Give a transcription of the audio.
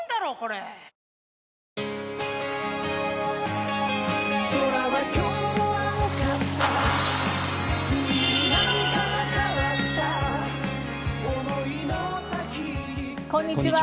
こんにちは。